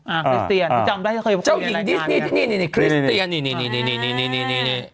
อ่าคริสเตียนจำได้เจ้าหญิงดิสนี่ที่นี่คริสเตียนนี่